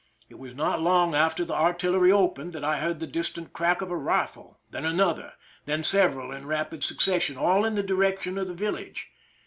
It was not long after the artillery opened that I heard the distant crack of a rifle, then another, then several in rapid succession, all in the direction of the village.